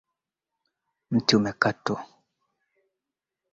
Uingereza iwe rahisi iwezekanavyo Nchi hii inajulikana